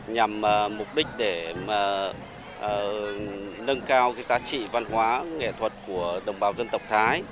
nhằm mục đích để nâng cao giá trị văn hóa nghệ thuật của đồng bào dân tộc thái